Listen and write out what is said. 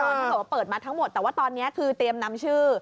ถ้าเกิดว่าเปิดมาทั้งหมดแต่ว่าตอนนี้คือเตรียมนำชื่อ